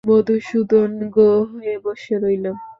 মধুসূদন গোঁ হয়ে বসে রইল।